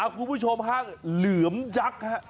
คุณผู้ชมห้างเหลือมยักษ์ฮะ